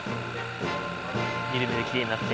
みるみるきれいになって。